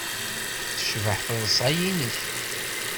Tecbeḥ teḍsa-nnek.